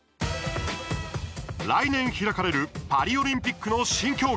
来年開かれるパリオリンピックの新競技